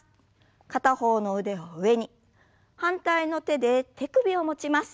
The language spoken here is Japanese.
片方の腕を上に反対の手で手首を持ちます。